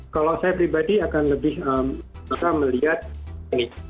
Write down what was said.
kalau saya pribadi akan lebih melihat ini